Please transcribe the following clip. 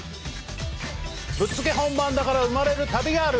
ぶっつけ本番だから生まれる旅がある！